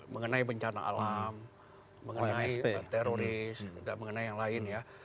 mengenai bencana alam mengenai teroris dan mengenai yang lain ya